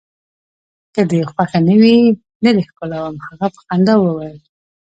که دي خوښه نه وي، نه دي ښکلوم. هغه په خندا وویل.